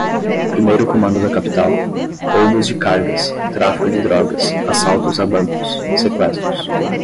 Primeiro Comando da Capital, roubos de cargas, tráfico de drogas, assaltos a bancos, sequestros